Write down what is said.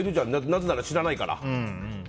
なぜなら知らないから。